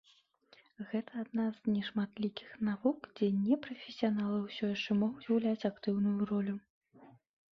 Гэта адна з нешматлікіх навук, дзе непрафесіяналы ўсё яшчэ могуць гуляць актыўную ролю.